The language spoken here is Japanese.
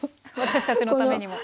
私たちのためにも。